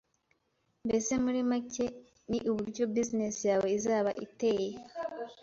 mbese muri make ni uburyo business yawe izaba iteye